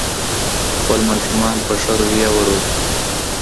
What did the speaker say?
خپل ماشومان په ښه روحیه وروزو.